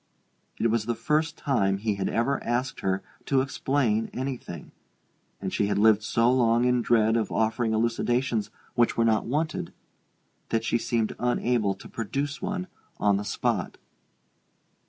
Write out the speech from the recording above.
It was the first time he had ever asked her to explain anything; and she had lived so long in dread of offering elucidations which were not wanted, that she seemed unable to produce one on the spot.